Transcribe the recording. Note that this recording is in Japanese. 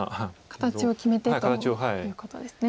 形を決めてということですね。